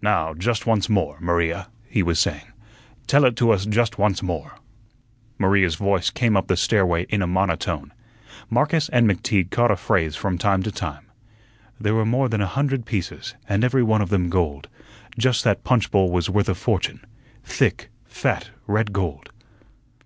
"Now, just once more, Maria," he was saying. "Tell it to us just once more." Maria's voice came up the stairway in a monotone. Marcus and McTeague caught a phrase from time to time. "There were more than a hundred pieces, and every one of them gold just that punch bowl was worth a fortune thick, fat, red gold."